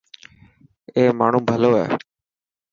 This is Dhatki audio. اي ماڻهو ڀلو هي.